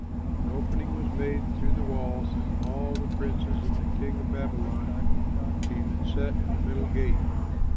An opening was made through the walls, and all the princes of the king of Babylon came and sat in the middle gate.